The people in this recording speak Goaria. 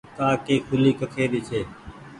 ڪآ ڪي کوُلي ڪکي ري ڇي